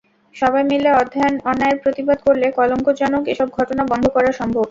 সবাই মিলে অন্যায়ের প্রতিবাদ করলে কলঙ্কজনক এসব ঘটনা বন্ধ করা সম্ভব।